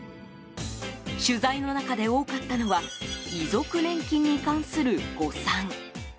取材の中で多かったのは遺族年金に関する誤算。